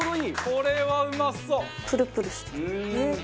これはうまそう！